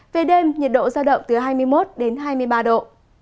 về đêm nhiệt độ giao động từ hai mươi một đến hai mươi ba độ